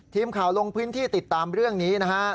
ทีมข่าวลงพื้นที่ติดตามเรื่องนี้นะฮะ